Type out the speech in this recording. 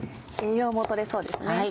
栄養も取れそうですね。